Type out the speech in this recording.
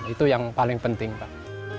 itu yang paling penting pak